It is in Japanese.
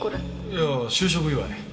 いやあ就職祝い。